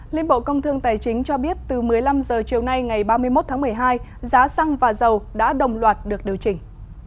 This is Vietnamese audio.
liên bộ công thương tài chính cho biết từ một mươi năm h chiều nay ngày ba mươi một tháng một mươi hai giá xăng và dầu đã đồng loạt được điều chỉnh